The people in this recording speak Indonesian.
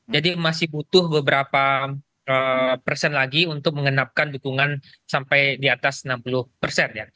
jadi masih butuh beberapa persen lagi untuk mengenapkan dukungan sampai di atas enam puluh persen